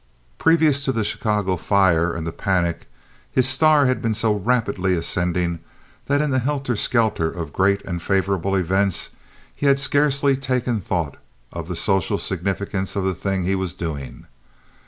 Previous to the Chicago fire and the panic, his star had been so rapidly ascending that in the helter skelter of great and favorable events he had scarcely taken thought of the social significance of the thing he was doing.